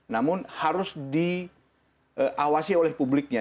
namun harus diawasi oleh publiknya